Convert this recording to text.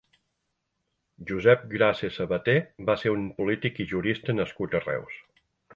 Josep Grase Sabater va ser un polític i jurista nascut a Reus.